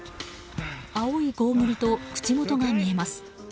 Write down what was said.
青いゴーグルと口元が見えます。